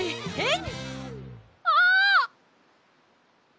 えっ？